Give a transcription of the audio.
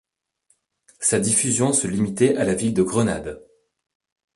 Sa diffusion se limitait à la ville de Grenade.